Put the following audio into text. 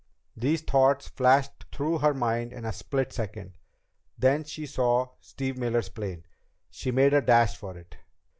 These thoughts flashed through her mind in a split second. Then she saw Steve Miller's plane. She made a dash for it.